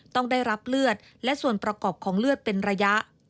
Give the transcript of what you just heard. ต้องได้รับเลือดและส่วนประกอบของเลือดเป็นระยะ